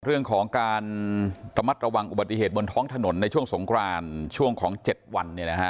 เรื่องของการระมัดระวังอุบัติเหตุบนท้องถนนในช่วงสงครานช่วงของ๗วัน